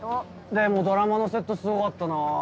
でもドラマのセットすごかったな。